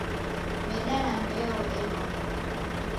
Meda na mbeo enonwa.